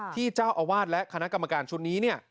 ที่เจ้าอาวาสและคณะกรรมการชุดนี้